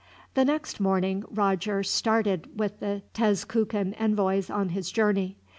The next morning Roger started with the Tezcucan envoys on his journey.